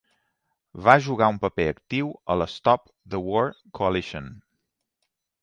Va jugar un paper actiu a la Stop the War Coalition.